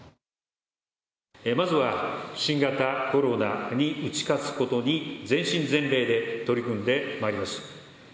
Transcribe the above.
まずは新型コロナに打ち勝つことに、全身全霊で取り組んでまいります。